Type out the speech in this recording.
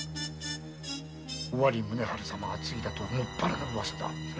尾張宗春様が次だともっぱらの噂だ。